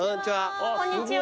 こんにちは。